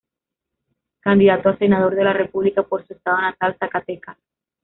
Candidato a Senador de la República por su estado natal, Zacatecas.